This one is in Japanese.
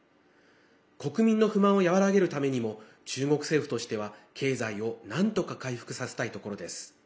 国民の不満を和らげるためにも中国政府としては経済をなんとか回復させたいところです。